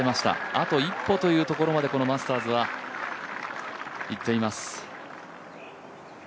あと一歩というところまでこのマスターズはいっています。